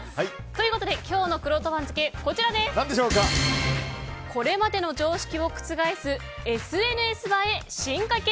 ということで今日のくろうと番付はこれまでの常識を覆すＳＮＳ映え進化形